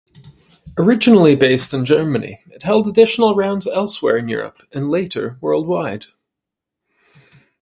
Originally based in Germany, it held additional rounds elsewhere in Europe and later worldwide.